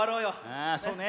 ああそうね。